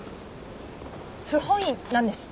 不本意なんです。